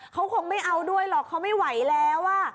เขาคงไม่เอาด้วยหรอกเขาไม่ไหวแล้ว